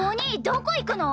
どこ行くの！？